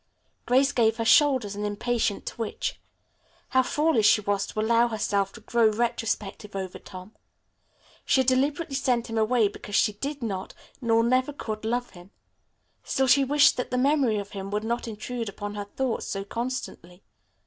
Grace gave her shoulders an impatient twitch. How foolish she was to allow herself to grow retrospective over Tom. She had deliberately sent him away because she did not, nor never could, love him. Still she wished that the memory of him would not intrude upon her thoughts so constantly.